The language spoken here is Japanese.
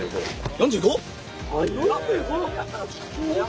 ４５！？